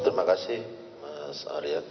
terima kasih mas aryad